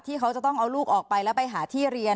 ที่เขาจะต้องเอาลูกออกไปแล้วไปหาที่เรียน